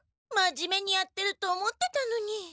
真面目にやってると思ってたのに。